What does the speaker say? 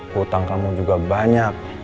hutang kamu juga banyak